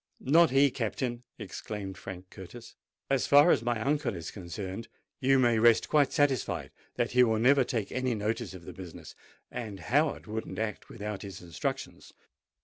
"Not he, Captain!" exclaimed Frank Curtis. "As far as my uncle is concerned, you may rest quite satisfied that he will never take any notice of the business: and Howard wouldn't act without his instructions."